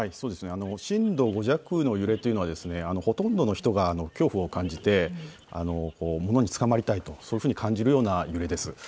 震度５弱の揺れというのはほとんどの人が恐怖を感じて物につかまりたいと、そういうふうに感じるような揺れです。